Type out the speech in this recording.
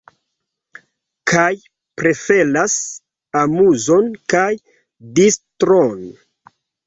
Kaj preferas amuzon kaj distron.